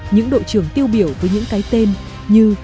những đội trưởng tiêu biểu với những cái tên như